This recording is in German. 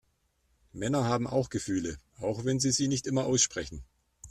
Männer haben auch Gefühle, auch wenn sie sie nicht immer aussprechen.